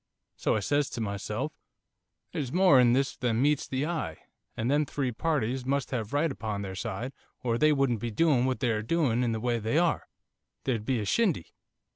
So I says to myself, "There's more in this than meets the eye, and them three parties must have right upon their side, or they wouldn't be doing what they are doing in the way they are, there'd be a shindy."